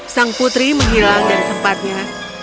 sang putri menghilang dari tempatnya